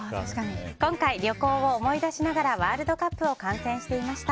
今回、旅行を思い出しながらワールドカップを観戦していました。